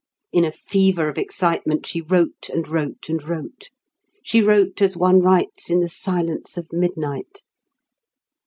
In a fever of excitement she wrote and wrote and wrote. She wrote as one writes in the silence of midnight.